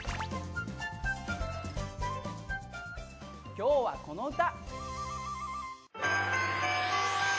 今日はこの歌！